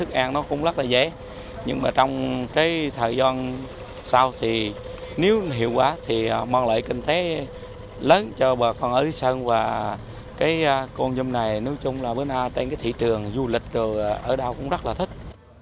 con nhum này bữa nay trên thị trường du lịch ở đảo cũng rất là thích